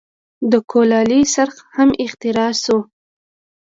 د کولالۍ څرخ هم اختراع شو.